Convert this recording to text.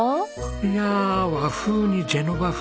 いや和風にジェノバ風